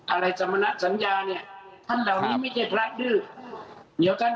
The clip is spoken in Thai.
อะไรสมณะสัญญาเนี่ยท่านเหล่านี้ไม่ใช่พระดื้อเดี๋ยวท่าน